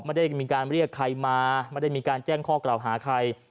ไม่ได้มีการเรียกใครมาไม่ได้มีการแจ้งข้อกล่าวหาใคร